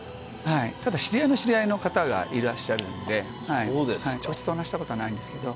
ただ、知り合いの知り合いの方がいらっしゃるので直接お会いしたことはないんですけど。